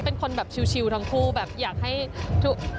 เป็นคนแบบชิลทั้งคู่แบบอยากให้ทุก